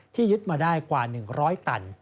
ยึดมาได้กว่า๑๐๐ตัน